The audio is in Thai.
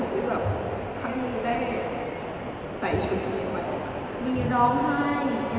ที่ทั้งมือได้ใส่ชุดนี้มาดี